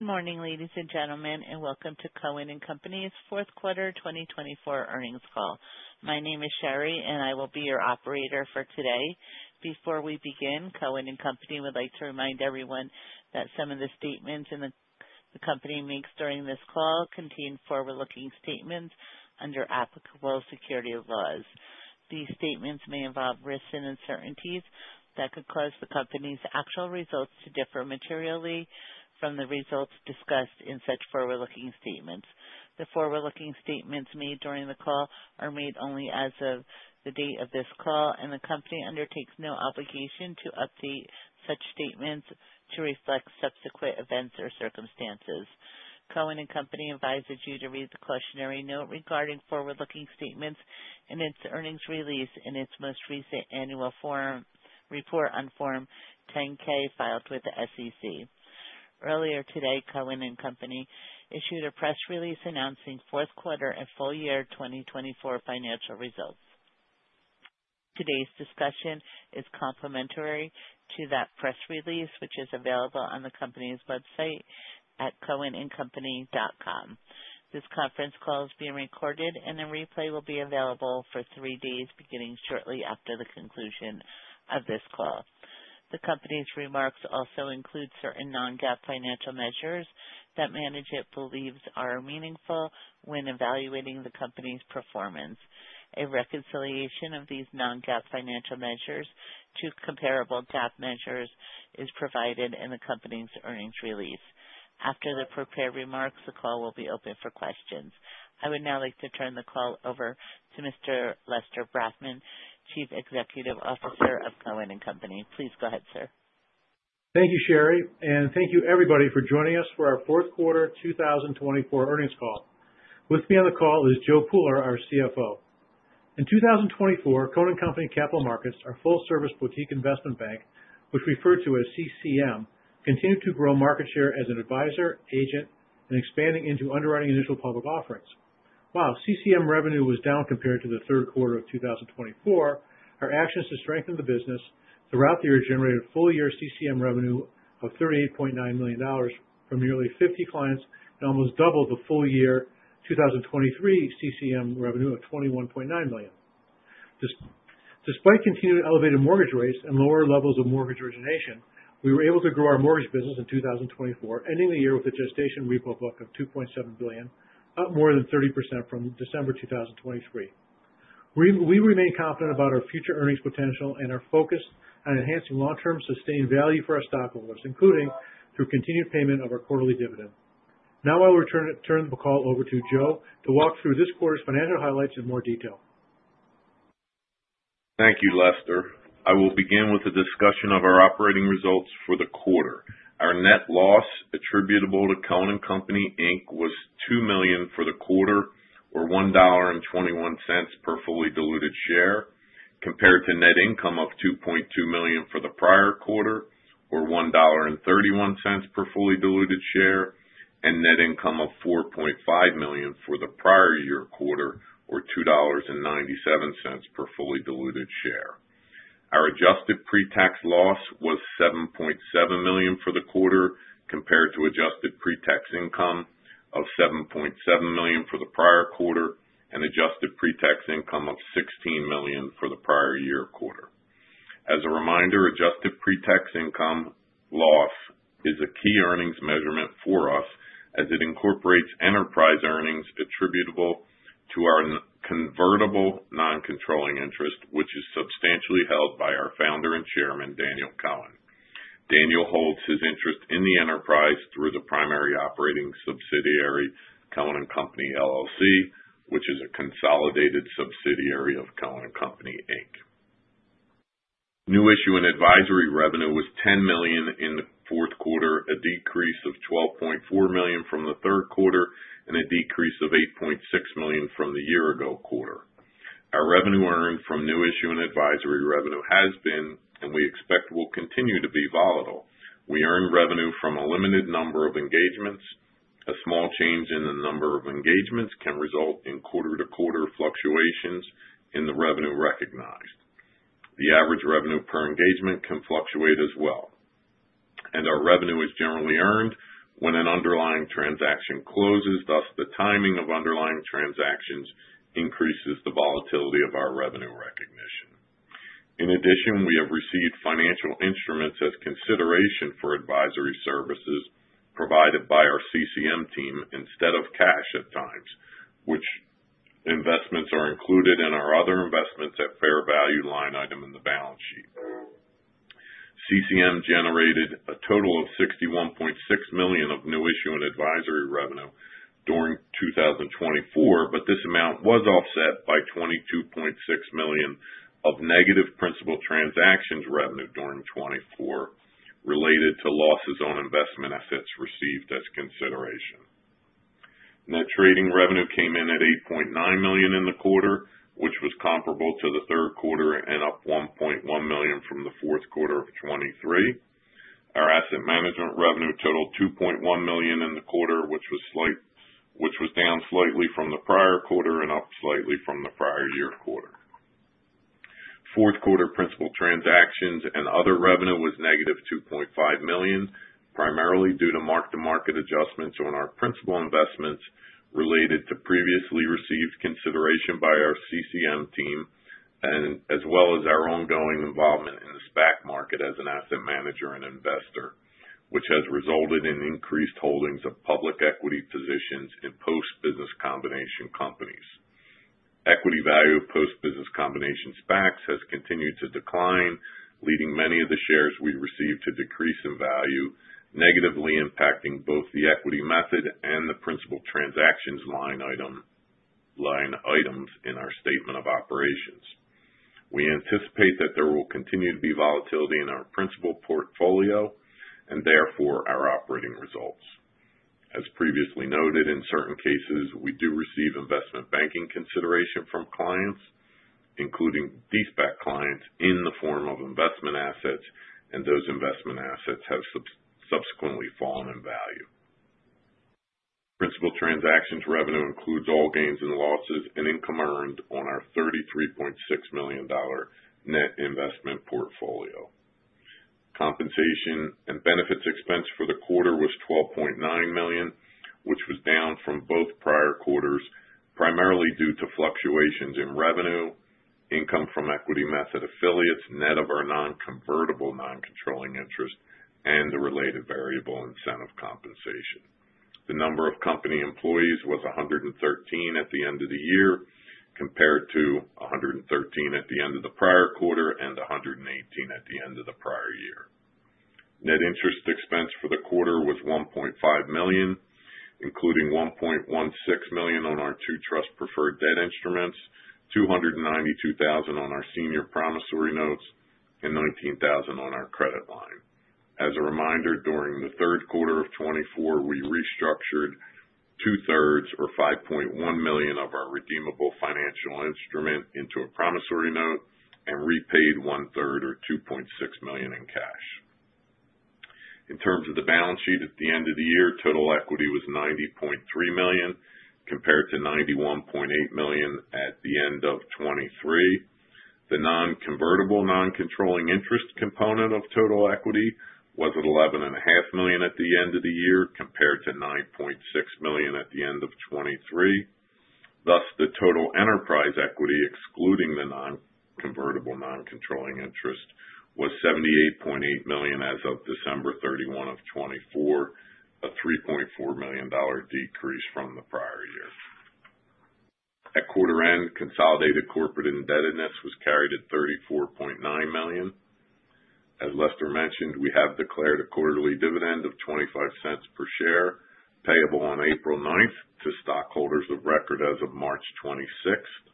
Good morning, ladies and gentlemen, and welcome to Cohen & Company's fourth quarter 2024 earnings call. My name is Sherry, and I will be your operator for today. Before we begin, Cohen & Company would like to remind everyone that some of the statements the company makes during this call contain forward-looking statements under applicable securities laws. These statements may involve risks and uncertainties that could cause the company's actual results to differ materially from the results discussed in such forward-looking statements. The forward-looking statements made during the call are made only as of the date of this call, and the company undertakes no obligation to update such statements to reflect subsequent events or circumstances. Cohen & Company advises you to read the cautionary note regarding forward-looking statements in its earnings release and its most recent annual report on Form 10-K filed with the SEC. Earlier today, Cohen & Company issued a press release announcing fourth quarter and full year 2024 financial results. Today's discussion is complimentary to that press release, which is available on the company's website at cohenandcompany.com. This conference call is being recorded, and the replay will be available for three days beginning shortly after the conclusion of this call. The company's remarks also include certain non-GAAP financial measures that management believes are meaningful when evaluating the company's performance. A reconciliation of these non-GAAP financial measures to comparable GAAP measures is provided in the company's earnings release. After the prepared remarks, the call will be open for questions. I would now like to turn the call over to Mr. Lester Brafman, Chief Executive Officer of Cohen & Company. Please go ahead, sir. Thank you, Sherry, and thank you, everybody, for joining us for our fourth quarter 2024 earnings call. With me on the call is Joe Pooler, our CFO. In 2024, Cohen & Company Capital Markets, our full-service boutique investment bank, which we refer to as CCM, continued to grow market share as an advisor, agent, and expanding into underwriting initial public offerings. While CCM revenue was down compared to the third quarter of 2024, our actions to strengthen the business throughout the year generated full-year CCM revenue of $38.9 million from nearly 50 clients and almost doubled the full-year 2023 CCM revenue of $21.9 million. Despite continued elevated mortgage rates and lower levels of mortgage origination, we were able to grow our mortgage business in 2024, ending the year with a gestation repo book of $2.7 billion, up more than 30% from December 2023. We remain confident about our future earnings potential and our focus on enhancing long-term sustained value for our stockholders, including through continued payment of our quarterly dividend. Now, I will turn the call over to Joe to walk through this quarter's financial highlights in more detail. Thank you, Lester. I will begin with a discussion of our operating results for the quarter. Our net loss attributable to Cohen & Company was $2 million for the quarter, or $1.21 per fully diluted share, compared to net income of $2.2 million for the prior quarter, or $1.31 per fully diluted share, and net income of $4.5 million for the prior year quarter, or $2.97 per fully diluted share. Our adjusted pre-tax loss was $7.7 million for the quarter, compared to adjusted pre-tax income of $7.7 million for the prior quarter and adjusted pre-tax income of $16 million for the prior year quarter. As a reminder, adjusted pre-tax income loss is a key earnings measurement for us, as it incorporates enterprise earnings attributable to our convertible non-controlling interest, which is substantially held by our founder and chairman, Daniel Cohen. Daniel holds his interest in the enterprise through the primary operating subsidiary, Cohen & Company LLC, which is a consolidated subsidiary of Cohen & Company Inc. New issue and advisory revenue was $10 million in the fourth quarter, a decrease of $12.4 million from the third quarter, and a decrease of $8.6 million from the year-ago quarter. Our revenue earned from new issue and advisory revenue has been, and we expect will continue to be, volatile. We earned revenue from a limited number of engagements. A small change in the number of engagements can result in quarter-to-quarter fluctuations in the revenue recognized. The average revenue per engagement can fluctuate as well. Our revenue is generally earned when an underlying transaction closes. Thus, the timing of underlying transactions increases the volatility of our revenue recognition. In addition, we have received financial instruments as consideration for advisory services provided by our CCM team instead of cash at times, which investments are included in our other investments at fair value line item in the balance sheet. CCM generated a total of $61.6 million of new issue and advisory revenue during 2024, but this amount was offset by $22.6 million of negative principal transactions revenue during 2024 related to losses on investment assets received as consideration. Net trading revenue came in at $8.9 million in the quarter, which was comparable to the third quarter and up $1.1 million from the fourth quarter of 2023. Our asset management revenue totaled $2.1 million in the quarter, which was down slightly from the prior quarter and up slightly from the prior year quarter. Fourth quarter principal transactions and other revenue was negative $2.5 million, primarily due to mark-to-market adjustments on our principal investments related to previously received consideration by our CCM team, as well as our ongoing involvement in the SPAC market as an asset manager and investor, which has resulted in increased holdings of public equity positions in post-business combination companies. Equity value of post-business combination SPACs has continued to decline, leading many of the shares we received to decrease in value, negatively impacting both the equity method and the principal transactions line items in our statement of operations. We anticipate that there will continue to be volatility in our principal portfolio and therefore our operating results. As previously noted, in certain cases, we do receive investment banking consideration from clients, including de-SPAC clients, in the form of investment assets, and those investment assets have subsequently fallen in value. Principal transactions revenue includes all gains and losses and income earned on our $33.6 million net investment portfolio. Compensation and benefits expense for the quarter was $12.9 million, which was down from both prior quarters, primarily due to fluctuations in revenue, income from equity method affiliates, net of our non-convertible non-controlling interest, and the related variable incentive compensation. The number of company employees was 113 at the end of the year, compared to 113 at the end of the prior quarter and 118 at the end of the prior year. Net interest expense for the quarter was $1.5 million, including $1.16 million on our two trust-preferred debt instruments, $292,000 on our senior promissory notes, and $19,000 on our credit line. As a reminder, during the third quarter of 2024, we restructured two-thirds, or $5.1 million, of our redeemable financial instrument into a promissory note and repaid one-third, or $2.6 million, in cash. In terms of the balance sheet at the end of the year, total equity was $90.3 million, compared to $91.8 million at the end of 2023. The non-convertible non-controlling interest component of total equity was $11.5 million at the end of the year, compared to $9.6 million at the end of 2023. Thus, the total enterprise equity, excluding the non-convertible non-controlling interest, was $78.8 million as of December 31, 2024, a $3.4 million decrease from the prior year. At quarter end, consolidated corporate indebtedness was carried at $34.9 million. As Lester mentioned, we have declared a quarterly dividend of $0.25 per share, payable on April 9th to stockholders of record as of March 26th.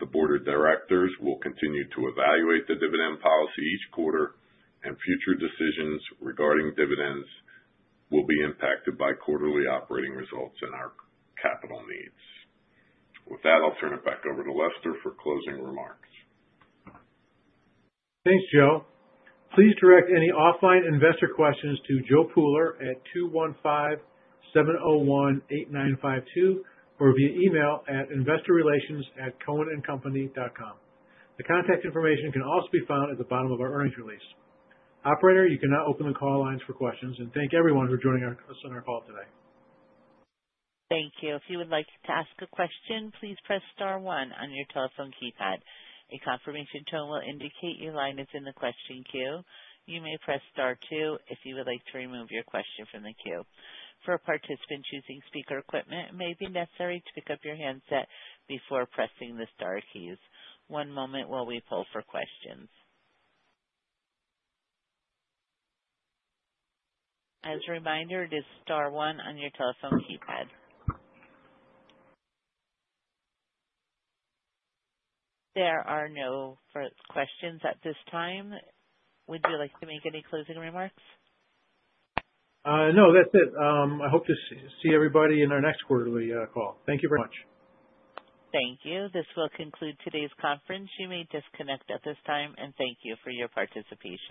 The board of directors will continue to evaluate the dividend policy each quarter, and future decisions regarding dividends will be impacted by quarterly operating results and our capital needs. With that, I'll turn it back over to Lester for closing remarks. Thanks, Joe. Please direct any offline investor questions to Joe Pooler at 215-701-8952 or via email at investorrelations@cohenandcompany.com. The contact information can also be found at the bottom of our earnings release. Operator, you can now open the call lines for questions, and thank everyone for joining us on our call today. Thank you. If you would like to ask a question, please press star one on your telephone keypad. A confirmation tone will indicate your line is in the question queue. You may press star two if you would like to remove your question from the queue. For a participant choosing speaker equipment, it may be necessary to pick up your handset before pressing the star keys. One moment while we pull for questions. As a reminder, it is star one on your telephone keypad. There are no further questions at this time. Would you like to make any closing remarks? No, that's it. I hope to see everybody in our next quarterly call. Thank you very much. Thank you. This will conclude today's conference. You may disconnect at this time, and thank you for your participation.